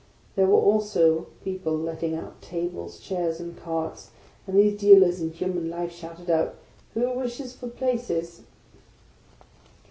'Ptiere were also people letting out tables, chairs, and carts ; and these dealers in human life shouted out, " Who wishes for places?"